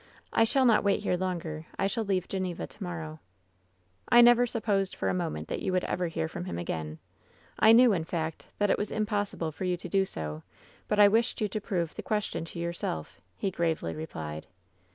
I shall not wait here longer. I shall leave Gleneva to morrow.* " 'I never supposed for a moment that you would ever hear from him again. I knew, in fact, that it was impossible for you to do so ; but I wished you to prove the question to yourself,' he gravely replied.